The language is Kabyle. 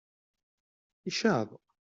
Icaḍ!